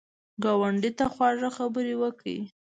ګاونډي ته خواږه خبرې وکړه